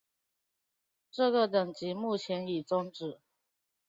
这个等级目前已终止。